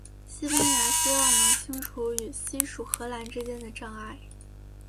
西班牙希望能清除与西属荷兰之间的障碍。